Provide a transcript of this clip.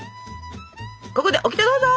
ここでオキテどうぞ。